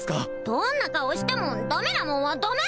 どんな顔してもダメなもんはダメ